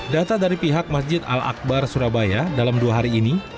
data dari pihak masjid al akbar surabaya dalam dua hari ini